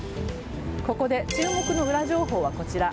ここで注目のウラ情報はこちら。